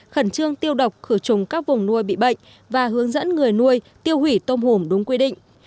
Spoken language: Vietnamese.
khẩn trương tiêu độc khử trùng các vùng nuôi bị bệnh và hướng dẫn người nuôi tiêu hủy tôm hùm đúng quy định